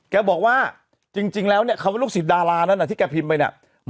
แกบอกว่าจริงแล้วเนี่ยคำว่าลูกศิษย์ดารานั้นที่แกพิมพ์ไปเนี่ย